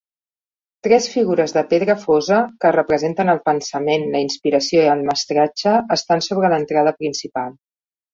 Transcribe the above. Tres figures de pedra fosa, que representen el pensament, la inspiració i el mestratge, estan sobre l'entrada principal.